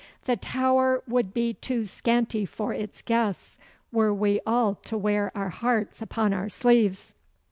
The Tower would be too scanty for its guests were we all to wear our hearts upon our sleeves.